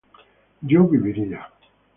yo viviría